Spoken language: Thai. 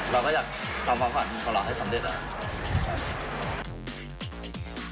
เราก็อยากทำฝันของเราให้สำเร็จอ่ะ